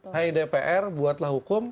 hai dpr buatlah hukum